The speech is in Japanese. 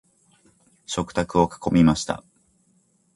食卓を囲みました。